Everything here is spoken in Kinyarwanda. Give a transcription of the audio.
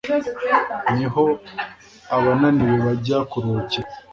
ni ho abananiwe bajya kuruhukira